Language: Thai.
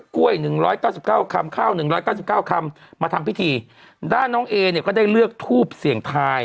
กล้วย๑๙๙คำข้าว๑๙๙คำมาทำพิธีด้านน้องเอเนี่ยก็ได้เลือกทูบเสียงไทย